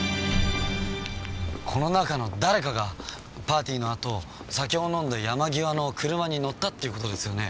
この中の誰かがパーティーのあと酒を飲んだ山際の車に乗ったっていう事ですよね。